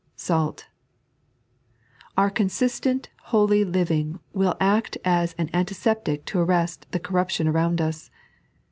SdU. Our consistent holy living will act as an antiseptic to arrest the corruption around us.